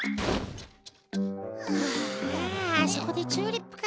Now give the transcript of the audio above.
はああそこでチューリップか。